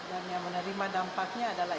dan yang menerima dampaknya adalah